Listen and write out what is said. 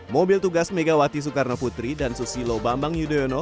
mobil tugas megawati soekarno putri dan susilo bambang yudhoyono